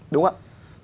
đúng không ạ